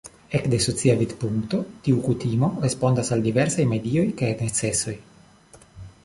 Ekde socia vidpunkto tiu kutimo respondas al diversaj medioj kaj necesoj.